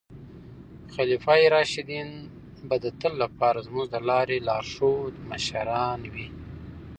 خلفای راشدین به د تل لپاره زموږ د لارې لارښود مشران وي.